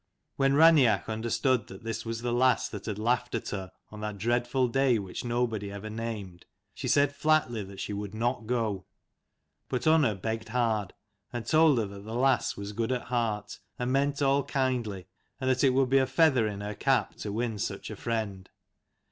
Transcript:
When Raineach understood that this was the lass that had laughed at her, on that dreadful day which nobody ever named, she said flatly that she would not go. But Unna begged hard, and told her that the lass was good at heart, and meant all kindly, and that it would be a feather in her cap to win such a friend.